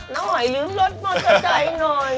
น้อยลืมรถมอเตอร์ใจหน่อย